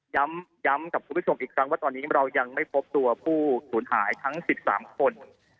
ย้ำกับคุณผู้ชมอีกครั้งว่าตอนนี้เรายังไม่พบตัวผู้สูญหายทั้ง๑๓คน